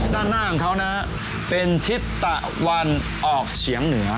ด้านหน้าของเขานะเป็นทิศตะวันออกเฉียงเหนือ